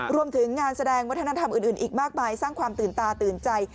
รวมถึงงานแสดงวัฒนธรรมอื่นอีกมากมายสร้างความตื่นตาตื่นใจ